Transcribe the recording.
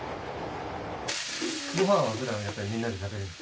ごはんはふだんやっぱりみんなで食べるんですか？